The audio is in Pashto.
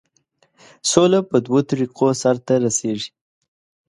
سوله په دوو طریقو سرته رسیږي.